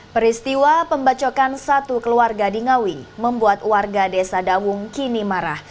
peristiwa pembacokan satu keluarga di ngawi membuat warga desa dawung kini marah